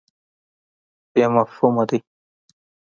بې مفهومه دی.